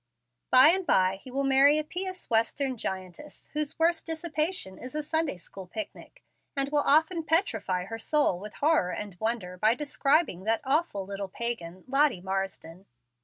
By and by he will marry a pious Western giantess, whose worst dissipation is a Sunday school picnic, and will often petrify her soul with horror and wonder by describing that awful little pagan, Lottie Marsden.